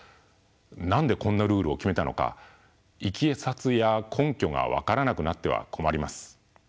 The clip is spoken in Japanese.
何でこんなルールを決めたのかいきさつや根拠が分からなくなっては困ります。